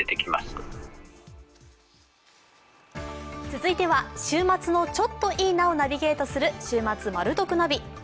続いては週末のちょっといいなをナビゲートする「週末マル得ナビ」。